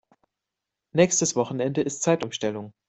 Nächstes Wochenende ist Zeitumstellung.